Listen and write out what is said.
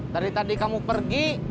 dari tadi kamu pergi